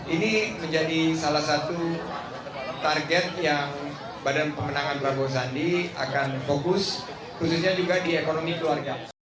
ini menjadi salah satu target yang badan pemenangan prabowo sandi akan fokus khususnya juga di ekonomi keluarga